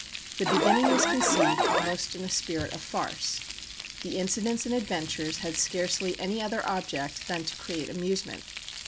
The beginning was conceived almost in a spirit of farce. The incidents and adventures had scarcely any other object than to create amusement.